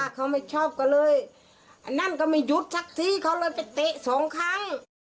เขาไม่ชอบก็เลยอันนั้นก็ไม่หยุดสักทีเขาเลยไปเตะสองครั้ง